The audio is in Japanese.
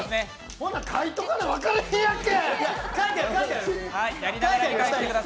ほな、書いておかな分からんやんけ！